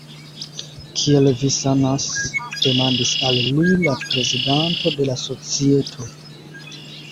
Kiel vi sanas? demandis al li la prezidanto de la societo.